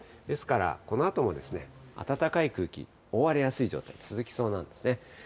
ですからこのあとも暖かい空気、覆われやすい状態、続きそうなんですね。